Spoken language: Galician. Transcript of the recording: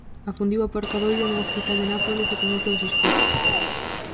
Afundiu o aparcadoiro dun hospital de Nápoles e con el todos os coches.